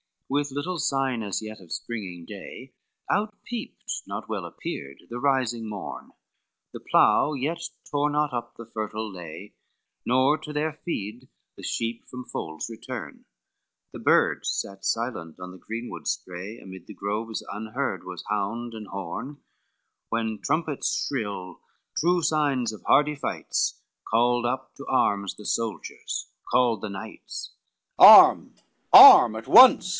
XIX With little sign as yet of springing day Out peeped, not well appeared the rising morn, The plough yet tore not up the fertile lay, Nor to their feed the sheep from folds return, The birds sate silent on the greenwood spray Amid the groves unheard was hound and horn, When trumpets shrill, true signs of hardy fights, Called up to arms the soldiers, called the knights: XX "Arm, arm at once!"